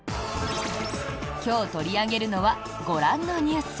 今日取り上げるのはご覧のニュース。